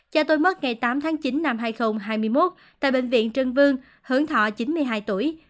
cha tôi mất ngày tám tháng chín năm hai nghìn hai mươi một tại bệnh viện trưng vương thọ chín mươi hai tuổi